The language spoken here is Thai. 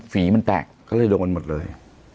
ฝีมันแตกก็เลยโดนมันหมดเลย